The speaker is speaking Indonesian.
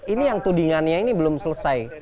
ini yang tudingannya ini belum selesai